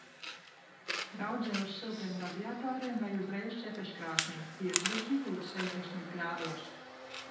Raudzē uz siltiem radiatoriem vai uzreiz cepeškrāsnī piecdesmit līdz sešdesmit grādos.